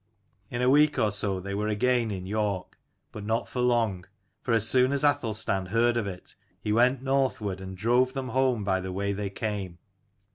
In a week or so they were again in York : but not for long. For as soon as Athelstan heard of it he went North ward, and drove them home by the way they came.